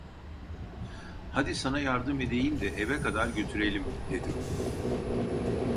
Hadi sana yardım edeyim de eve kadar götürelim! dedim.